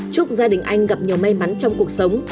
chúc gia đình anh gặp nhiều may mắn trong cuộc sống